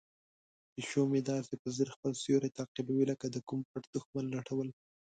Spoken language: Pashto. پیشو مې داسې په ځیر خپل سیوری تعقیبوي لکه د کوم پټ دښمن لټول.